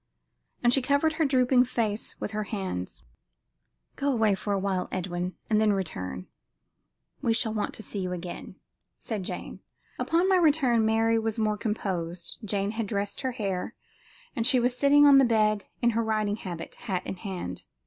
And she covered her drooping face with her hands. "Go away for awhile, Edwin, and then return; we shall want to see you again," said Jane. Upon my return Mary was more composed. Jane had dressed her hair, and she was sitting on the bed in her riding habit, hat in hand.